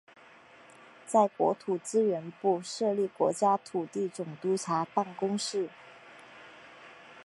在国土资源部设立国家土地总督察办公室。